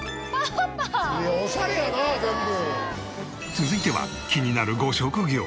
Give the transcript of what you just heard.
続いては気になるご職業。